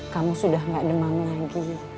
kamu sudah nggak demam lagi